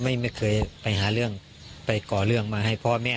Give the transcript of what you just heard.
ไม่เคยไปหาเรื่องไปก่อเรื่องมาให้พ่อแม่